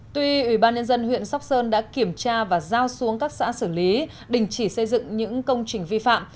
tuy ủy ban nhân dân huyện sóc sơn đã kiểm tra và giao xuống các xã xử lý đình chỉ xây dựng những công trình vi phạm